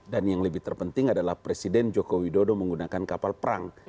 dan yang lebih terpenting adalah presiden jokowi dodo menggunakan kapal perang